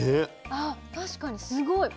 あ確かにすごい。